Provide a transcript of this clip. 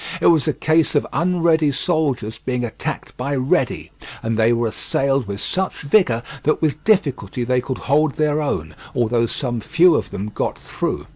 It was a case of unready soldiers being attacked by ready, and they were assailed with such vigour that with difficulty they could hold their own, although some few of them got through.